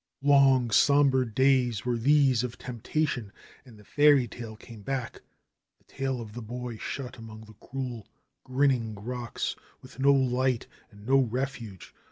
Long, somber days were these of temptation. And the fairy tale came back, the tale of the boy shut among the cruel, grinning rocks, with no light and no refuge.